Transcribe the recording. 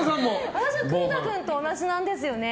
私は栗田君と同じなんですよね。